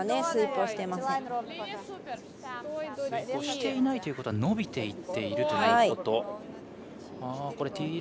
スイープしていないということは伸びているということ。